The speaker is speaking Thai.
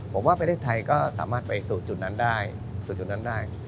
ผมว่าประเทศไทยก็สามารถไปสู่จุดนั้นได้